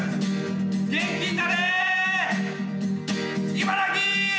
茨城！